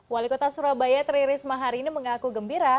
wali kota surabaya tri risma hari ini mengaku gembira